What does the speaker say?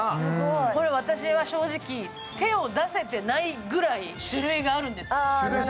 これ、私、正直、手を出せていないくらい種類があるんですよ。